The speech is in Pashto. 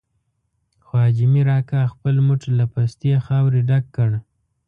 خو حاجي مير اکا خپل موټ له پستې خاورې ډک کړ.